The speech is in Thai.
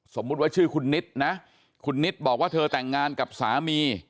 สมมุติว่าชื่อคุณนิดนะคุณนิดบอกว่าเธอแต่งงานกับสามี